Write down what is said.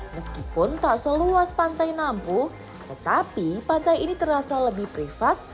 meskipun tak seluas pantai nampuh tetapi pantai ini terasa lebih privat